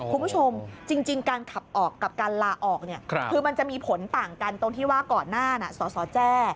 คุณผู้ชมจริงการขับออกกับการลาออกเนี่ยคือมันจะมีผลต่างกันตรงที่ว่าก่อนหน้าสสแจ้